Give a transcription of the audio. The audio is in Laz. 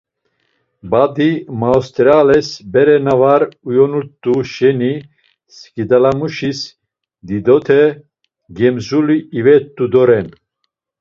Badi maosterales bere na var uyonut̆u şeni skidalamuşis didote gemzuli ivet̆u doren.